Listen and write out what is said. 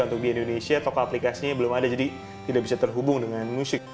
untuk di indonesia toko aplikasinya belum ada jadi tidak bisa terhubung dengan musik